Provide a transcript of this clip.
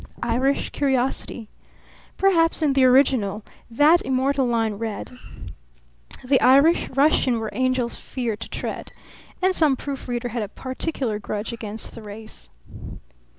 Irish curiosity. Perhaps in the original that immortal line read: "The Irish rush in where angels fear to tread," and some proofreader had a particular grudge against the race.